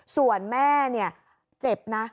ส่วนแม่เนี่ยเจ็บนะ